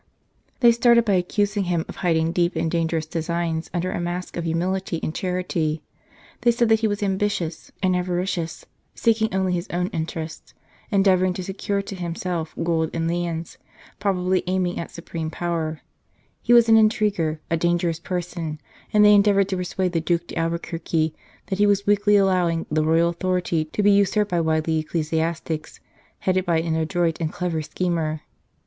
They started by accusing him of hiding deep and dangerous designs under a mask of humility and charity. They said that he was ambitious and avaricious, seeking only his own interests, endeavouring to secure to him self gold and lands, probably aiming at supreme power ; he was an intriguer, a dangerous person, and they endeavoured to persuade the Duke d Albuquerque that he was weakly allowing the royal authority to be usurped by wily ecclesiastics, headed by an adroit and clever schemer.